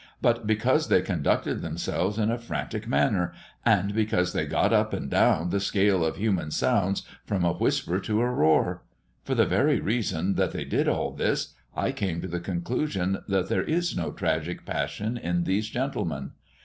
but because they conducted themselves in a frantic manner, and because they got up and down the scale of human sounds from a whisper to a roar. For the very reason that they did all this, I came to the conclusion that there is no tragic passion in these gentlemen.